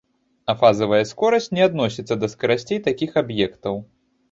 А фазавая скорасць не адносіцца да скарасцей такіх аб'ектаў.